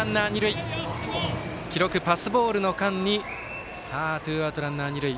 記録、パスボールの間にツーアウト、ランナー、二塁。